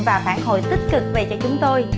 và phản hồi tích cực về cho chúng tôi